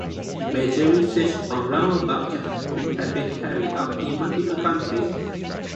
Major research on roundabout capacity has been carried out in multiple countries.